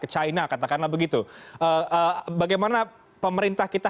china katakanlah begitu bagaimana pemerintah kita